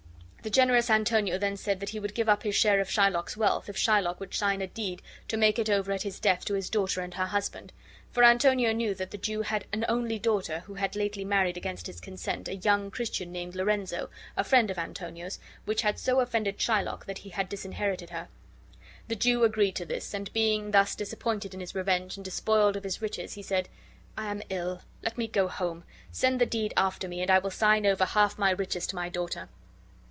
The generous Antonio then said that he would give up his share of Shylock's wealth if Shylock would sign a deed to make it over at his death to his daughter and her husband; for Antonio knew that the Jew had an only daughter who had lately married against his consent a young Christian named Lorenzo, a friend of Antonio's, which had so offended Shylock that he had disinherited her. The Jew agreed to this; and being thus disappointed in his revenge and despoiled of his riches, he said: "I am ill. Let me go home. Send the deed after me, and I will sign over half my riches to my daughter."